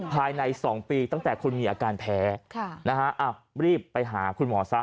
ภายใน๒ปีตั้งแต่คุณมีอาการแพ้รีบไปหาคุณหมอซะ